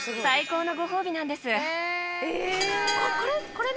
これ？